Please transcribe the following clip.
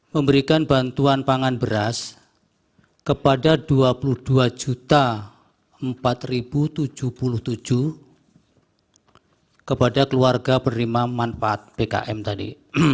memberikan bantuan pangan beras kepada dua puluh dua empat tujuh puluh tujuh kepada keluarga berima manfaat pkm tadi